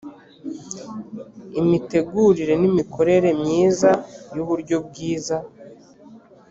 imitegurire n imikorere myiza y uburyo bwiza